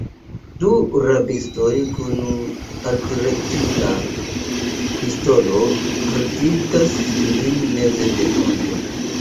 Du rabistoj, kun aldirektita pistolo, haltigas ilin meze de ponto.